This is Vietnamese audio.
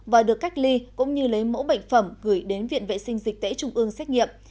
và được cách ly cũng như lấy mẫu bệnh phẩm gửi đến viện vệ sinh dịch tễ trung ương xét nghiệm